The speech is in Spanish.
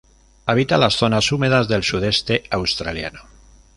Habita las zonas húmedas del sudeste australiano.